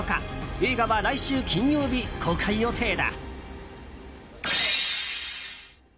映画は来週金曜日、公開予定だ。